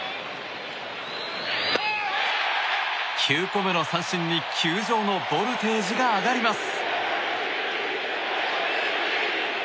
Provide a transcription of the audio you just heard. ９個目の三振に球場のボルテージが上がります。